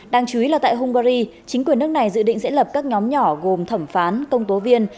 đáng chú ý là tại hungary chính quyền nước này dự định sẽ lập các nhóm nhỏ gồm thẩm phán công tố viên